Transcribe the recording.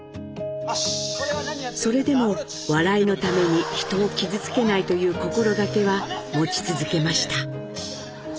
それでも笑いのために人を傷つけないという心掛けは持ち続けました。